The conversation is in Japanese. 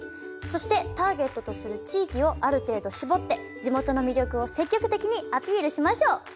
そしてターゲットとする地域をある程度絞って地元の魅力を積極的にアピールしましょう。